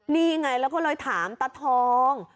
นี่ไงเราก็เลยถามตะทอง